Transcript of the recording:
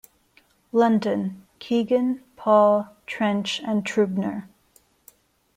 London: Kegan, Paul, Trench and Trubner.